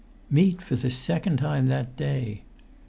Meat for the second time that day!